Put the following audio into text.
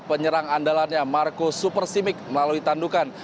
menyerang andalannya marco super simic melalui tandukan